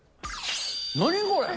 何、これ！